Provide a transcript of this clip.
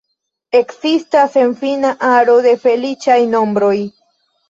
Ekzistas senfina aro da feliĉaj nombroj.